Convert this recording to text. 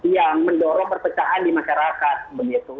yang mendorong perpecahan di masyarakat begitu